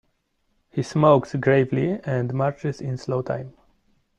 He smokes gravely and marches in slow time.